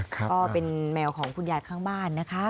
ก็เป็นแมวของคุณยายข้างบ้านนะคะ